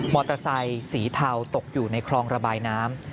เตอร์ไซค์สีเทาตกอยู่ในคลองระบายน้ำ